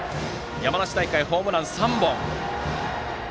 山梨大会ではホームラン３本。